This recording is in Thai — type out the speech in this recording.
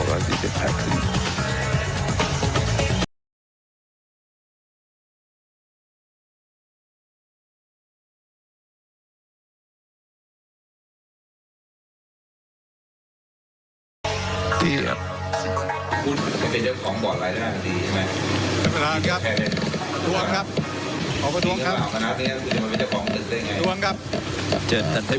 กว้างนี้สมัครซะขอบคุณท่านฟังครับ